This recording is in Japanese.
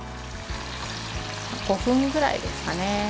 ５分ぐらいですかね。